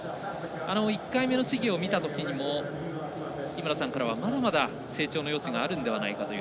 １回目の試技を見たときにも井村さんからはまだまだ成長の余地があるんではないかという